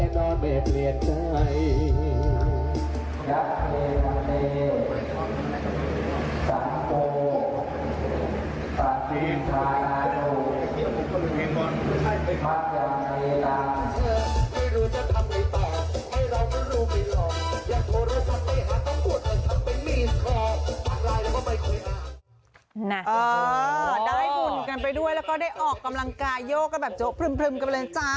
ได้บุญกันไปด้วยแล้วก็ได้ออกกำลังกายโยกกันแบบโจ๊พรึมกันไปเลยจ้า